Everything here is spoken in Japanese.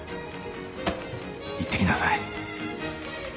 行ってきなさい。